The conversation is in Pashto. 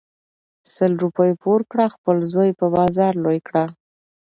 سل روپی پور کړه خپل زوی په بازار لوی کړه .